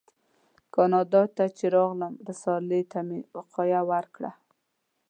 کاناډا ته چې راغلم رسالې ته مې وقایه ورکړه.